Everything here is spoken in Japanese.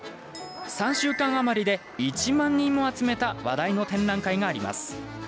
３週間余りで１万人も集めた話題の展覧会があります。